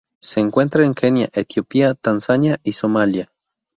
Se encuentra en Kenia, Etiopía, Tanzania, y Somalia.